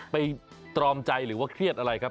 ไปตรอมใจหรือเคลียดอะไรครับ